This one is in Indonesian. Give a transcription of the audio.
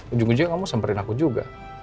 ujung ujungnya kamu semperin aku juga